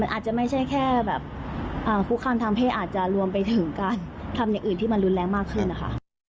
อาจจะไม่ใช่แค่แบบคุกคามทางเพศอาจจะรวมไปถึงการทำอย่างอื่นที่มันรุนแรงมากขึ้นนะคะ